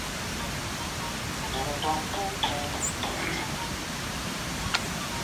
Estos síndromes presentan un patrón de herencia autosómico dominante.